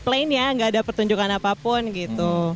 plain ya nggak ada pertunjukan apapun gitu